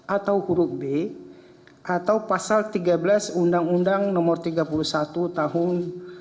atau huruf b atau pasal tiga belas undang undang nomor tiga puluh satu tahun seribu sembilan ratus sembilan puluh sembilan